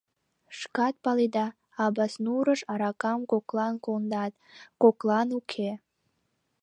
— Шкат паледа, Абаснурыш аракам коклан кондат, коклан — уке.